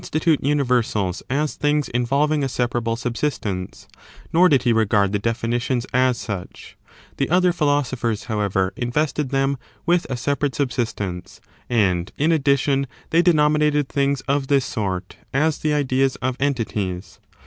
yet not tute universals as things involving a separable ®SJJJ"'^"*i, subsistence, nor did he regard the definitions as authors of the such ; the other philosophers, however, invested ^*®"^ Theory, them with a separate subsistence, and, in addition, they denominated things of this sort as the ideaa of entities.